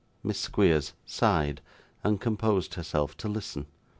Miss Squeers sighed, and composed herself to listen.